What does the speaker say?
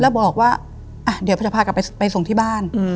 แล้วบอกว่าอ่ะเดี๋ยวพระเภากลับไปไปส่งที่บ้านอืม